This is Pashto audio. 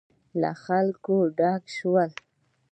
له خلکو ډک شول.